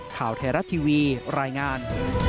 ข่าวไทยรัฐทีวีรายงาน